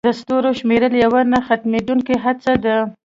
د ستورو شمیرل یوه نه ختمېدونکې هڅه ده.